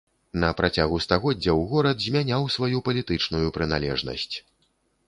На працягу стагоддзяў горад змяняў сваю палітычную прыналежнасць.